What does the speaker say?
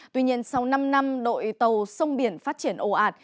tuy nhiên sau năm năm đội tàu sông biển phát triển ồ ạt